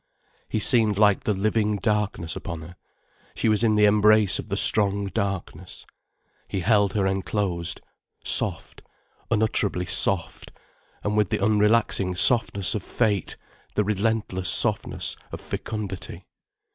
He seemed like the living darkness upon her, she was in the embrace of the strong darkness. He held her enclosed, soft, unutterably soft, and with the unrelaxing softness of fate, the relentless softness of fecundity.